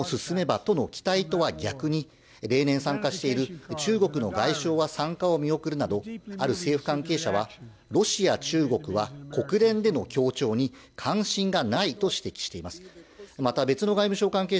しかし協調に一歩でも進めばとの期待とは逆に、例年参加している中国の外相は参加を見送るなど、ある政府関係者はロシア、中国は国連での協調に関心がないと指摘しています。